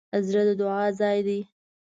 زړه د دعا ځای دی.